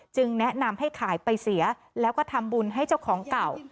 แนะนำให้ขายไปเสียแล้วก็ทำบุญให้เจ้าของเก่า